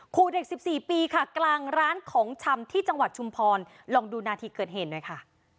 ครูเด็ก๑๔ปีค่ะกลางร้านของชำที่จังหวัดชุมพรลองดูนาทีเกิดเหตุหน่อยค่ะ